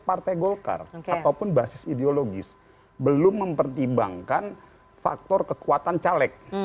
partai golkar ataupun basis ideologis belum mempertimbangkan faktor kekuatan caleg